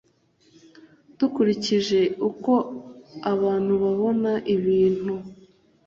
dukurikije uko abantu babona ibintu